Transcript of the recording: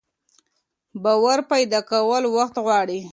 باور پيدا کول وخت غواړي.